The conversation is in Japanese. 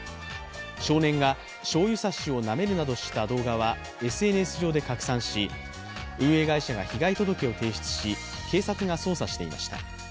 少年がしょうゆ差しをなめるなどした動画はＳＮＳ上で拡散し、運営会社が被害届を提出し、警察が捜査していました。